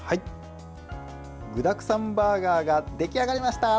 具だくさんバーガーが出来上がりました。